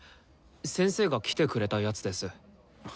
先生が来てくれたやつです。